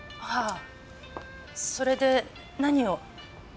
はあそれで何を？